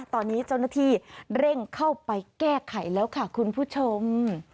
ตอนนี้เจ้าหน้าที่เร่งเข้าไปแก้ไขแล้วค่ะคุณผู้ชม